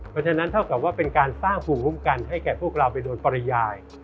เพราะฉะนั้นเท่ากับว่าเป็นการสร้างภูมิคุ้มกันให้แก่พวกเราไปโดยปริยาย